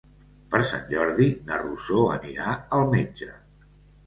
Per Sant Jordi na Rosó anirà al metge.